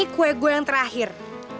kue terakhir gue